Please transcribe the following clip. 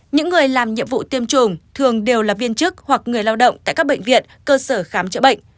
những người làm nhiệm vụ tiêm chủng thường đều là viên chức hoặc người lao động tại các bệnh viện cơ sở khám chữa bệnh